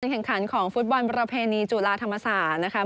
แข่งขันของฟุตบอลประเพณีจุฬาธรรมศาสตร์นะคะ